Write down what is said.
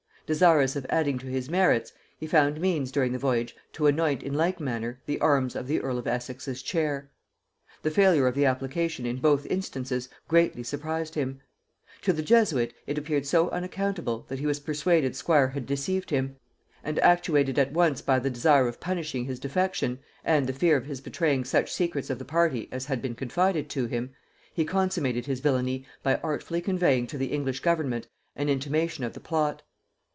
Desirous of adding to his merits, he found means during the voyage to anoint in like manner the arms of the earl of Essex's chair. The failure of the application in both instances greatly surprised him. To the Jesuit it appeared so unaccountable, that he was persuaded Squire had deceived him; and actuated at once by the desire of punishing his defection, and the fear of his betraying such secrets of the party as had been confided to him, he consummated his villany by artfully conveying to the English government an intimation of the plot.